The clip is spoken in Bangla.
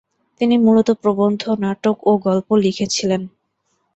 তিনি মূলত প্রবন্ধ, নাটক ও গল্প লিখেছেন।